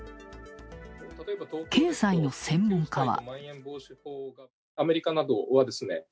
経済の専門家は。